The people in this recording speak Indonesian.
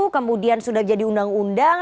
kemudian sudah jadi undang undang